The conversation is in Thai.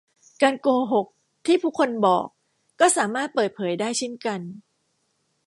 การโกหกที่ผู้คนบอกก็สามารถเปิดเผยได้เช่นกัน